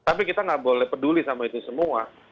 tapi kita nggak boleh peduli sama itu semua